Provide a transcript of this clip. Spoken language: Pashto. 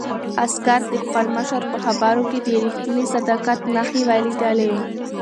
عسکر د خپل مشر په خبرو کې د رښتیني صداقت نښې ولیدلې.